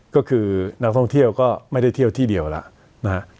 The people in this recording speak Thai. ก็คือนักท่องเที่ยวก็ไม่ได้เที่ยวที่เดียวแล้วนะฮะ